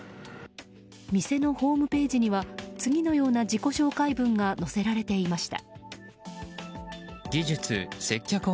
店のホームページには次のような自己紹介文が載せられていました。